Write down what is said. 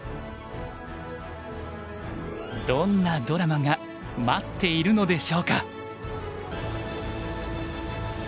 どんなドラマが待っているのでしょうか。